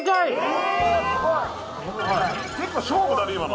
結構勝負だね